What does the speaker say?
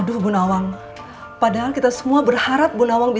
jujur saja di bungayetapa kita sudah jalan mereka bungametently mokok ya pandem